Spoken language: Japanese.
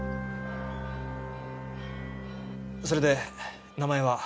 それで名前は？